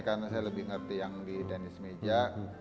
karena saya lebih ngerti yang di tenis meja